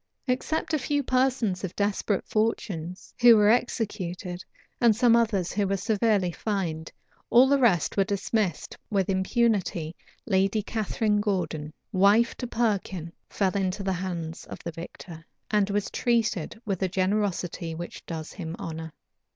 Except a few persons of desperate fortunes, who were executed, and some others who were severely fined, all the rest were dismissed with impunity Lady Catharine Gordon, wife to Perkin fell into the hands of the victor, and was treated with a generosity which does him honor.